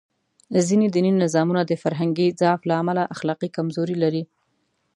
ځینې دیني نظامونه د فرهنګي ضعف له امله اخلاقي کمزوري لري.